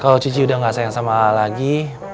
kalau cuci udah gak sayang sama a a lagi